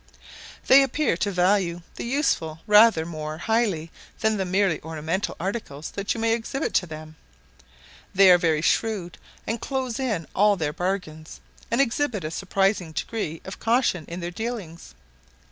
They appear to value the useful rather more highly than the merely ornamental articles that you may exhibit to them. They are very shrewd and close in all their bargains, and exhibit a surprising degree of caution in their dealings.